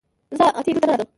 زه اتي دلته نه راځم